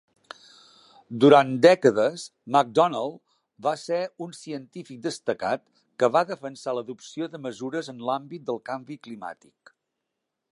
Durant dècades, MacDonald va ser un científic destacat que va defensar l'adopció de mesures en l'àmbit del canvi climàtic.